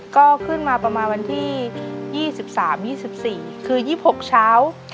ก็ขึ้นมาประมาณวันที่๒๓๒๔คือ๒๖เช้า